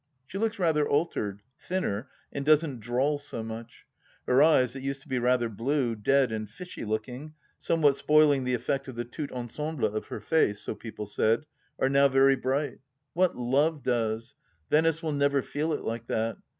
She looks rather altered — thinner, and doesn't drawl so much. Her eyes, that used to be rather blue, dead, and fishy looking, somewhat spoiling the effect of the tout ensemble of her face, so people said, are now very bright. What Love does I Venice will never feel it like that.